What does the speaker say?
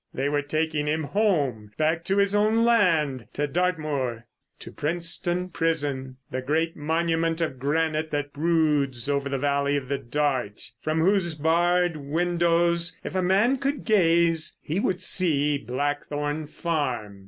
They were taking him home, back to his own land, to Dartmoor. To Princetown Prison. The great monument of granite that broods over the valley of the Dart, from whose barred windows, if a man could gaze, he would see Blackthorn Farm